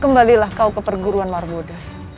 kembalilah kau ke perguruan marmodes